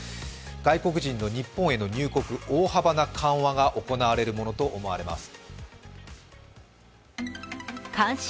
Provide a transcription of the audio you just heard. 外国人の日本への入国、大幅な緩和が行われるものとみられます。